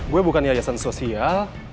gue bukan yayasan sosial